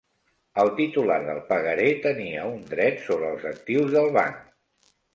El titular del pagaré tenia un dret sobre els actius del banc.